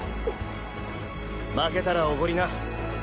負けたらおごりな！